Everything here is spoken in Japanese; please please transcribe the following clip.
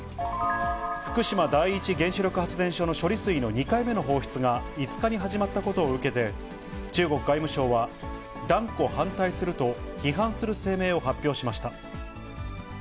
福島第一原子力発電所の処理水の２回目の放出が５日に始まったことを受けて、中国外務省は断固反対すると、批判する声明を発表しました。